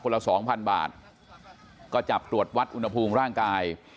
ละสองพันบาทก็จับตรวจวัดอุณหภูมิร่างกาย